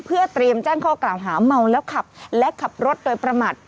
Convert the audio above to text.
เพื่อเตรียมแจ้งข้อกล่าวหาเมาแล้วขับและขับรถโดยประมาท